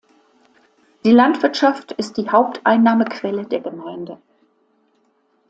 Die Landwirtschaft ist die Haupteinnahmequelle der Gemeinde.